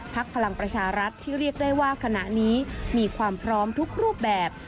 พลังประชารัฐที่เรียกได้ว่าขณะนี้มีความพร้อมทุกรูปแบบ